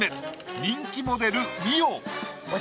人気モデル美緒。